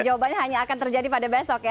jawabannya hanya akan terjadi pada besok ya